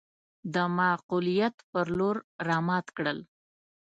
د معقوليت پر لور رامات کړل.